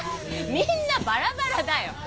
みんなバラバラだよ。